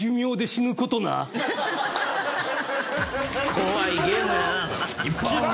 怖いゲームやで。